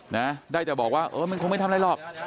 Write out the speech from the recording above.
นะได้แต่บอกว่าเออมันคงไม่ทำอะไรหรอก